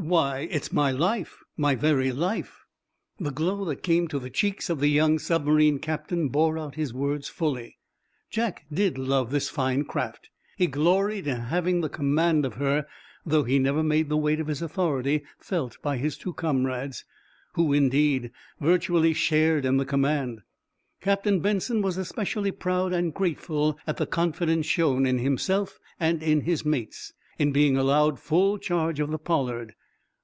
"Why, it's my life my very life!" The glow that came to the cheeks of the young submarine captain bore out his words fully. Jack did love this fine craft. He gloried in having the command of her, though he never made the weight of his authority felt by his two comrades, who, indeed, virtually shared in the command. Captain Benson was especially proud and grateful at the confidence shown in himself and in his mates in being allowed full charge of the "Pollard."